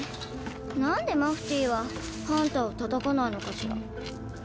なんでマフティーはハンターをたたかないのかしら？